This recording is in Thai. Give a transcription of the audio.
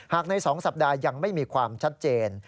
ใน๒สัปดาห์ยังไม่มีความชัดเจน